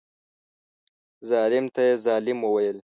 ظالم ته یې ظالم وویل.